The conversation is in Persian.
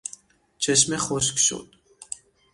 چشمه خشک شد.